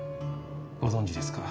ご存じですか？